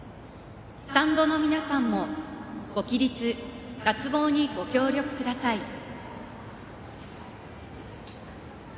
スタンドの皆さんもご起立、脱帽にご協力ください。